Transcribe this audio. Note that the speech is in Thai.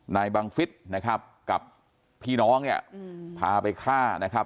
บังฟิศนะครับกับพี่น้องเนี่ยพาไปฆ่านะครับ